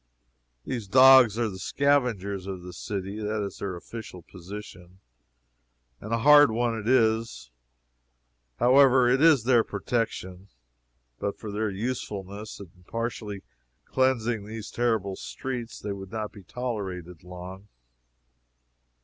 These dogs are the scavengers of the city. That is their official position, and a hard one it is. However, it is their protection. But for their usefulness in partially cleansing these terrible streets, they would not be tolerated long.